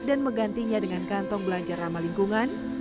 dan menggantinya dengan kantong belanja rama lingkungan